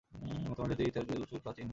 তামিল জাতির ইতিহাস দুই হাজার বছরের প্রাচীন।